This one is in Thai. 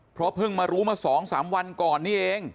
เพราะเพิ่งมารู้มา๒๓วันก่อนนี่เอง